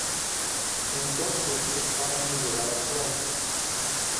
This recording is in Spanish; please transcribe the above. Entonces estaba en el lugar actual.